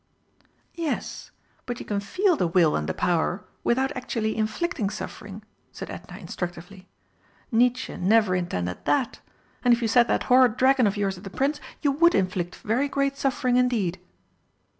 "Yes, but you can feel the will and the power without actually inflicting suffering," said Edna instructively. "Nietzsche never intended that. And if you set that horrid dragon of yours at the Prince, you would inflict very great suffering indeed."